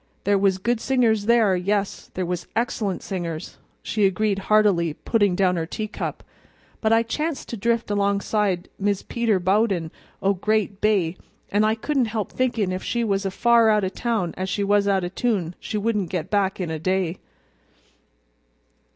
"There was good singers there; yes, there was excellent singers," she agreed heartily, putting down her teacup, "but I chanced to drift alongside Mis' Peter Bowden o' Great Bay, an' I couldn't help thinkin' if she was as far out o' town as she was out o' tune, she wouldn't get back in a day."